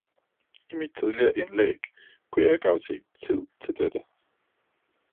I mit tidligere indlæg kunne jeg ikke afse tid til dette.